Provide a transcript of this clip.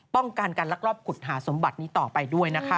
ป้องกันการลักลอบขุดหาสมบัตินี้ต่อไปด้วยนะคะ